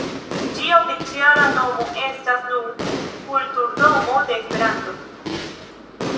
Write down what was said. Ĝia oficiala nomo estas nun “Kulturdomo de Esperanto”.